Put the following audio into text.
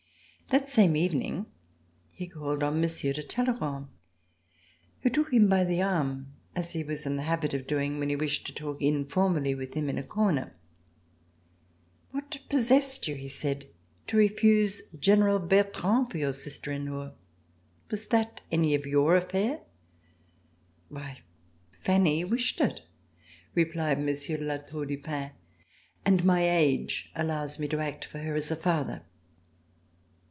That same evening he called on Monsieur de Talleyrand, who took him by the arm, as he was in the habit of doing when he wished to talk Informally with him In a corner. "What possessed you," he said, "to refuse General Bertrand for your sister in law. Was that any of your affair?" C344] THE PREFECTURE AT BRUSSELS "Why, Fanny wished it," rcpHcd Monsieur de La Tour du Pin, "and my age allows me to act for her as a father."